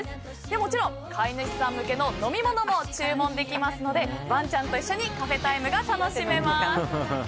もちろん飼い主さん向けの飲み物も注文できますのでワンちゃんと一緒にカフェタイムが楽しめます。